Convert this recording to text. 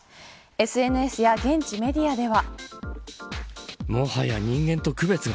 ＳＮＳや現地メディアでは。